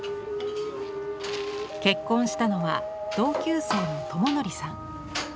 結婚したのは同級生の智則さん。